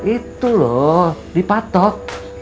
itu lho dipatok